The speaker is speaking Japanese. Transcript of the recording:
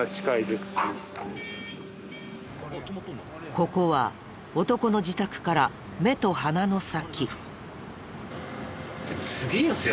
ここは男の自宅から目と鼻の先。